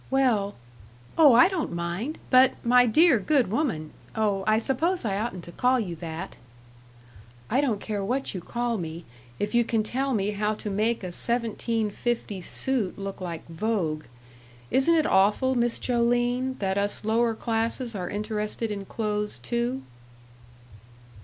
"Well " "Oh, I don't mind. But, my dear, good woman oh, I suppose I oughtn't to call you that." "I don't care what you call me, if you can tell me how to make a seventeen fifty suit look like Vogue. Isn't it awful, Miss Joline, that us lower classes are interested in clothes, too?"